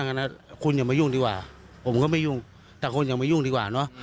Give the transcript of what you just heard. งั้นนะคุณอย่ามายุ่งดีกว่าผมก็ไม่ยุ่งแต่คนอย่ามายุ่งดีกว่าเนอะ